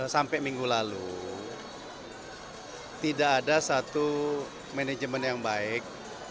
sampai minggu lalu tidak ada satu manajemen yang baik